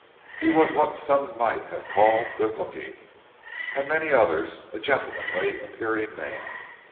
He was what some might have called good looking, and many others a gentlemanly appearing man.